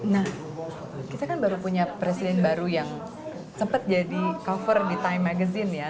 nah kita kan baru punya presiden baru yang sempat jadi cover di time magazine ya